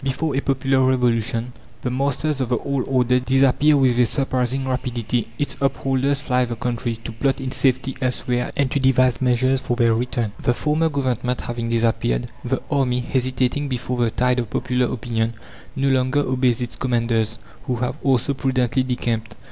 Before a popular revolution the masters of "the old order" disappear with a surprising rapidity. Its upholders fly the country, to plot in safety elsewhere and to devise measures for their return. The former Government having disappeared, the army, hesitating before the tide of popular opinion, no longer obeys its commanders, who have also prudently decamped.